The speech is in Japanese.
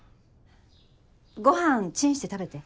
ご飯チンして食べて。